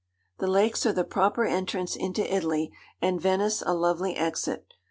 'The lakes are the proper entrance into Italy, and Venice a lovely exit.